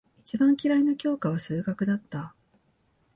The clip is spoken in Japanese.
一番嫌いな教科は数学だった。